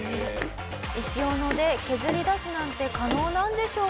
石斧で削り出すなんて可能なんでしょうか？